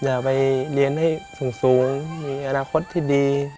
อย่าไปเรียนให้สูงมีอนาคตที่ดี